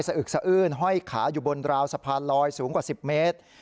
อึกสะอื้นห้อยขาอยู่บนราวสะพานลอยสูงกว่า๑๐เมตร